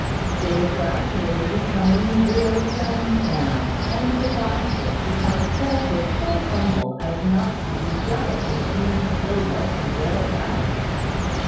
They were gradually becoming real friends now; and the faster, because Holt was so humble as not to be jealous of Hugh's still liking Dale best.